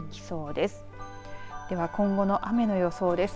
では、今後の雨の予想です。